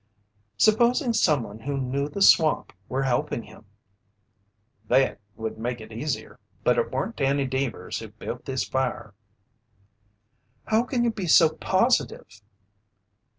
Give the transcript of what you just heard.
"Supposing someone who knew the swamp were helping him?" "Thet would make it easier, but it weren't Danny Deevers who built this fire." "How can you be so positive?"